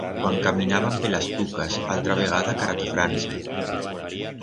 Cuan caminaban per las tucas, altra vegada cara ta Franza.